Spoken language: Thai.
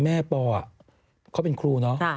แม่ปออ่ะเค้าเป็นครูเนอะ